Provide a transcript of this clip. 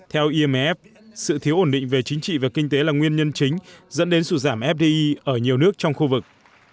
theo imf sự thiếu ổn định về chính trị và kinh tế là nguyên nhân chính dẫn đến sụt giảm fdi ở nhiều nước trong khu vực